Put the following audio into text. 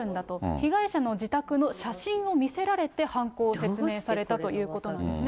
被害者の自宅の写真を見せられて、犯行を説明されたということなんですね。